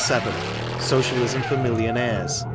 107. Social iam for Millionaires.